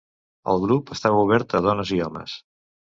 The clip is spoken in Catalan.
El grup estava obert a dones i homes.